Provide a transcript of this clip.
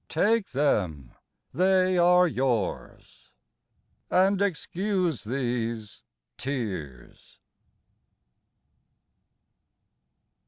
Take them they are yours And excuse these tears.